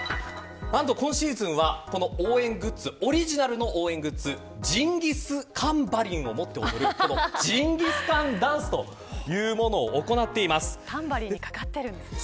なんと今シーズンは、このオリジナルの応援グッズジンギスカンバリンを持って踊るジンギスカンダンスというものを行っています。